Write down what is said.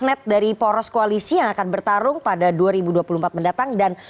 terima kasih pak